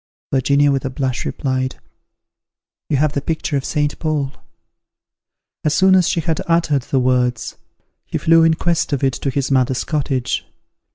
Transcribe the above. Virginia with a blush replied, "You have the picture of Saint Paul." As soon as she had uttered the words, he flew in quest of it to his mother's cottage.